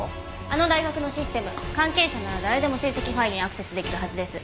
あの大学のシステム関係者なら誰でも成績ファイルにアクセス出来るはずです。